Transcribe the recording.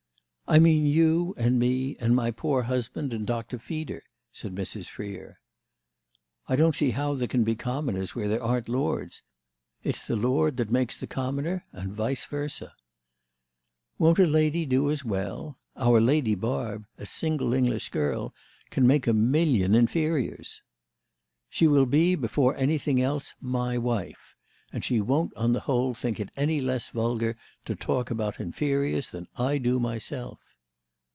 "I mean you and me and my poor husband and Dr. Feeder," said Mrs. Freer. "I don't see how there can be commoners where there aren't lords. It's the lord that makes the commoner, and vice versa." "Won't a lady do as well? Our Lady Barb—a single English girl—can make a million inferiors." "She will be, before anything else, my wife; and she won't on the whole think it any less vulgar to talk about inferiors than I do myself."